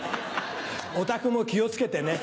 おたくも気を付けてね。